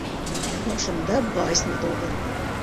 Башымда басня тыуҙы.